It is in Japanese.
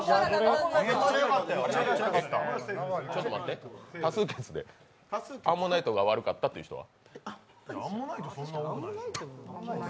ちょっと待って、多数決でアンモナイトが悪かったという人は？